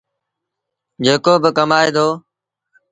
جيڪو با ڪمآئي دو۔